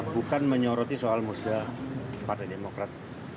bukan menyoroti soal musda partai demokrat